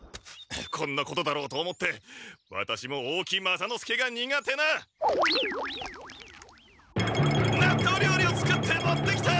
こんなことだろうと思ってワタシも大木雅之助が苦手ななっとうりょうりを作って持ってきた！